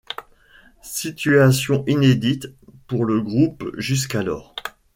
Situation inédite pour le groupe jusqu'alors.